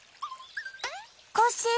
コッシー。